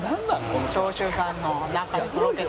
長州さんの中でとろけて。